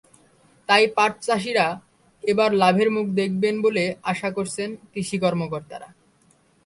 তাই পাটচাষিরা এবার লাভের মুখ দেখবেন বলে আশা করছেন কৃষি কর্মকর্তারা।